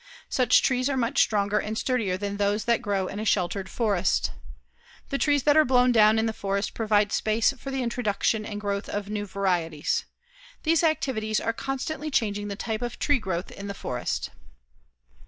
Such trees are much stronger and sturdier than those that grow in a sheltered forest. The trees that are blown down in the forest provide space for the introduction and growth of new varieties. These activities are constantly changing the type of tree growth in the forest.